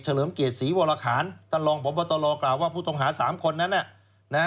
เฉลิมเกียรติศรีวรขาญตลปปตลกล่าวว่าผู้ทงหาสามคนนั้น